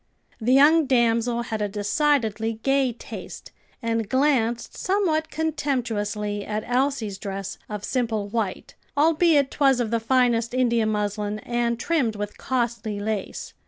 The young damsel had a decidedly gay taste, and glanced somewhat contemptuously at Elsie's dress of simple white, albeit 'twas of the finest India muslin and trimmed with costly lace.